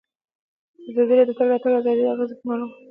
ازادي راډیو د د تګ راتګ ازادي د اغیزو په اړه مقالو لیکلي.